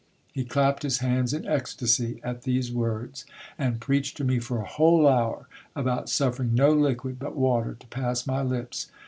He clapped his hands in ecstacy at these words, and preached to me for a whole hour about suffering no liquid but water to pass my lips.